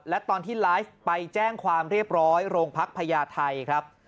และตอนที่ไลฟ์ไปแจ้งความเรียบร้อยโรงพักพญาไทยครับ